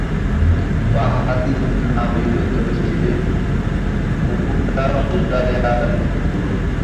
বাঁ-হাতি যদি না হইবে তবে সে পুকুরটা– উদয়াদিত্য।